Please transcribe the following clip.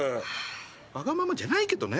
わがままじゃないけどね。